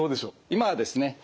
今はですね